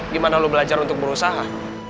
gimana lu belajar untuk berusaha